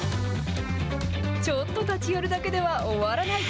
ちょっと立ち寄るだけでは終わらない。